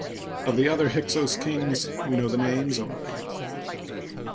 Of the other Hyksos kings, we know the names only.